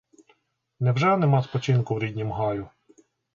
Невже нема спочинку в ріднім гаю?